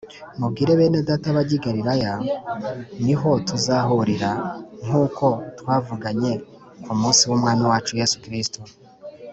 mubwire bene Data bajye i Galilaya ni ho tuzahurira nkuko twavuganye kumunsi wu mwami wacu yesu kristo.